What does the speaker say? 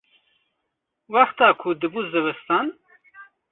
wexta ku dibû zivistan